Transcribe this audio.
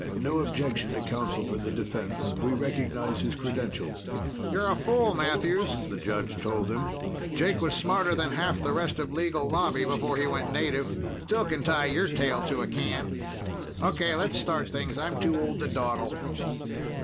"No objection to counsel for the defense. We recognize his credentials." "You're a fool, Matthews," the judge told him. "Jake was smarter than half the rest of Legal Lobby before he went native. Still can tie your tail to a can. Okay, let's start things. I'm too old to dawdle."